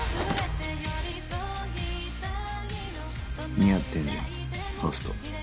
似合ってんじゃんホスト。